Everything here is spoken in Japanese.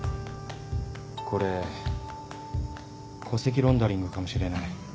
これ戸籍ロンダリングかもしれない。